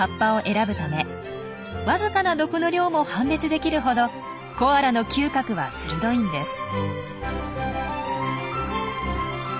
わずかな毒の量も判別できるほどコアラの嗅覚は鋭いんです。